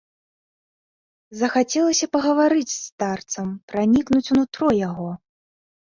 Захацелася пагаварыць з старцам, пранікнуць у нутро яго.